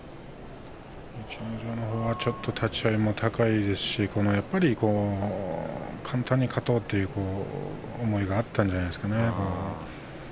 逸ノ城のほうはちょっと立ち合いも高いですし簡単に勝とうという思いがあったのではないでしょうか。